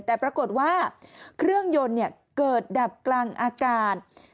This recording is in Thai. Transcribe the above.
แต่ปรากฏว่าเครื่องยนต์เกิดดับกลางอากาศ